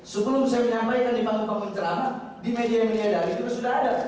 sebelum saya menyampaikan di panggung panggung cerama di media media daring itu sudah ada